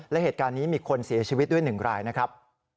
และเหตุการณ์นี้มีคนเสียชีวิตด้วย๑รายนะครับ